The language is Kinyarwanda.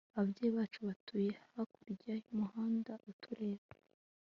ababyeyi bacu batuye hakurya y'umuhanda utureba